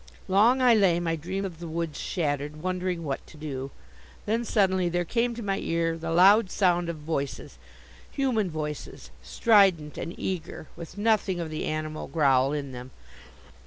Long I lay, my dream of the woods shattered, wondering what to do. Then suddenly there came to my ear the loud sound of voices, human voices, strident and eager, with nothing of the animal growl in them.